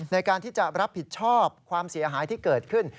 ในการที่จะรับผิดชอบความเสียหายที่เกิดขึ้น